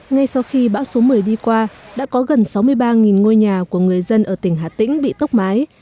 ngay sau khi bão số một mươi đi qua đã có gần sáu mươi ba ngôi nhà của người dân ở tỉnh hà tĩnh bị tốc mái